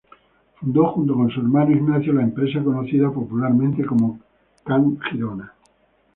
Fundó junto con su hermano Ignacio la empresa conocida popularmente como Can Girona.